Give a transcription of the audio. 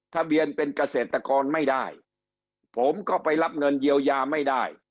ทะเบียนเป็นเกษตรกรไม่ได้ผมก็ไปรับเงินเยียวยาไม่ได้